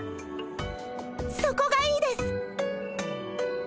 そこがいいです！